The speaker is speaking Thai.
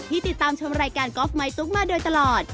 ที่ติดตามชมรายการก๊อบไม่ตุ๊กมาโดยตลอด